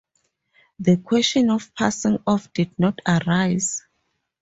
The question of passing off did not arise.